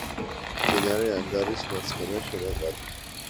მდინარე ანგარის მარცხენა შენაკადი.